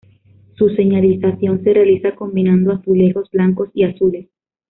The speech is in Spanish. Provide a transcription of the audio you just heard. Su señalización se realiza combinando azulejos blancos y azules.